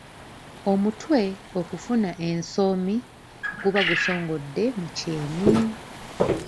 Omutwe okufuna ensoomi guba gusongodde mu kyenyi.